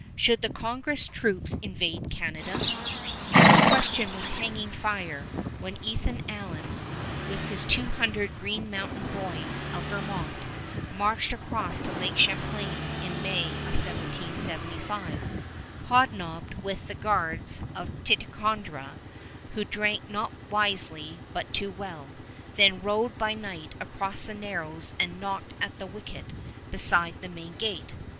Should the Congress troops invade Canada? The question was hanging fire when Ethan Allen, with his two hundred Green Mountain boys of Vermont, marched across to Lake Champlain in May of 1775, hobnobbed with the guards of Ticonderoga, who drank not wisely but too well, then rowed by night across the narrows and knocked at the wicket beside the main gate.